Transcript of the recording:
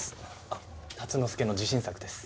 あっ竜之介の自信作です。